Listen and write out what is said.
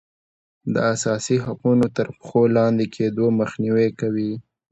د اساسي حقوقو تر پښو لاندې کیدو مخنیوی کوي.